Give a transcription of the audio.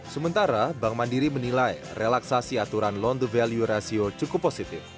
sementara bank mandiri menilai relaksasi aturan loan to value ratio cukup positif